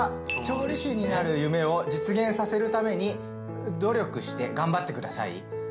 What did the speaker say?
「調理師になる夢を実現させるために努力して頑張ってください」